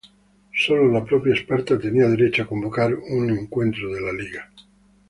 Sólo la propia Esparta tenía derecho a convocar un encuentro de la Liga.